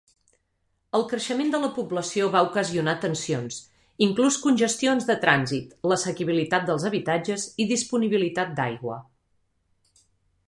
El creixement de la població va ocasionar tensions, inclús congestions de trànsit, l'assequibilitat dels habitatges i disponibilitat d'aigua.